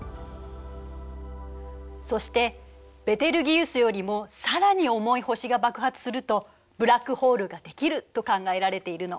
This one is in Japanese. そしてベテルギウスよりも更に重い星が爆発するとブラックホールができると考えられているの。